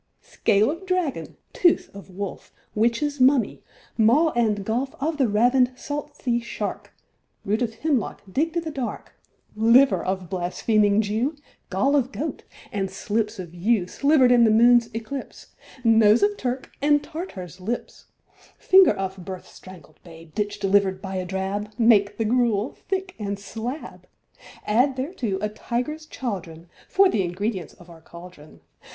THIRD WITCH. Scale of dragon, tooth of wolf, Witch's mummy, maw and gulf Of the ravin'd salt sea shark, Root of hemlock digg'd i' th' dark, Liver of blaspheming Jew, Gall of goat, and slips of yew Sliver'd in the moon's eclipse, Nose of Turk, and Tartar's lips, Finger of birth strangled babe Ditch deliver'd by a drab, Make the gruel thick and slab: Add thereto a tiger's chaudron, For th' ingredients of our cauldron.